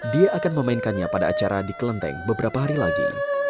dia akan memainkannya pada acara di kelenteng beberapa hari lagi